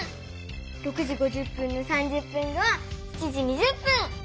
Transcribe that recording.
６時５０分の３０分後は７時２０分！